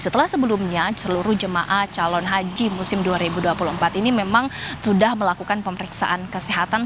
setelah sebelumnya seluruh jemaah calon haji musim dua ribu dua puluh empat ini memang sudah melakukan pemeriksaan kesehatan